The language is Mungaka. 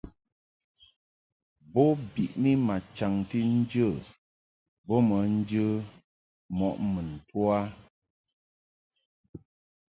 Bo biʼni ma chaŋti nje bo bə njə mɔʼ mun to a.